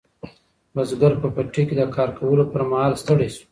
بزګر په پټي کې د کار کولو پر مهال ستړی شو.